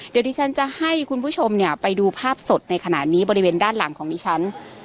เดี๋ยวที่ฉันจะให้คุณผู้ชมเนี่ยไปดูภาพสดในขณะนี้บริเวณด้านหลังของดิฉัน